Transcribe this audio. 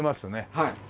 はい。